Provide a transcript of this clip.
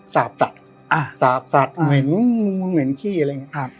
สาบสัตว์อ่าสาบสัตว์เหมือนเหมือนขี้อะไรอย่างเงี้ยอ่า